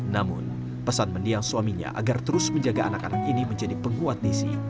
namun pesan mendiang suaminya agar terus menjaga anak anak ini menjadi penguat nisi